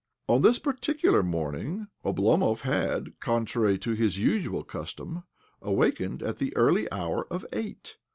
On this particular morning Oblomov had (contrary to his usual custom) awakened at the early hour of eight.